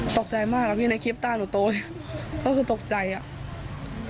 ตกใจมากอะพี่ในคลิปตาหนูโตก็คือตกใจอ่ะ